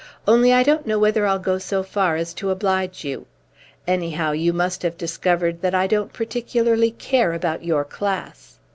"Only I don't know whether I'll go so far as to oblige you. Anyhow you may have discovered that I don't particularly care about your class.